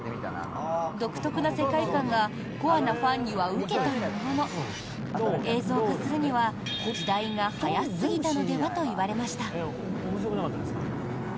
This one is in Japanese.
独特な世界観がコアなファンには受けたものの映像化するには時代が早すぎたのではといわれました。